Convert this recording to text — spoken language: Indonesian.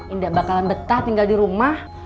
indah bakalan betah tinggal di rumah